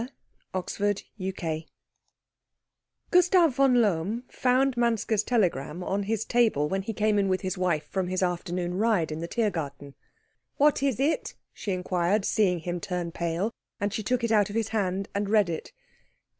CHAPTER XXXI Gustav von Lohm found Manske's telegram on his table when he came in with his wife from his afternoon ride in the Thiergarten. "What is it?" she inquired, seeing him turn pale; and she took it out of his hand and read it.